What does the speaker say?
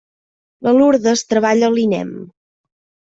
La Lurdes treballa a l'INEM.